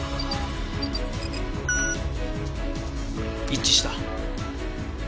一致した。